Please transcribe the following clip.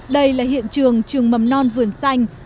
đây là hiện trường trường mầm non vườn xanh